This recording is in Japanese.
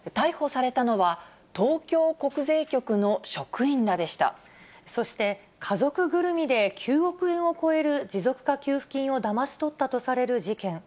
逮捕されたのは、そして、家族ぐるみで９億円を超える持続化給付金をだまし取ったとされる事件。